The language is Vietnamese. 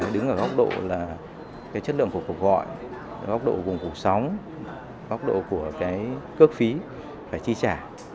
đứng ở góc độ là cái chất lượng của cuộc gọi góc độ gồm cuộc sống góc độ của cái cước phí phải chi trả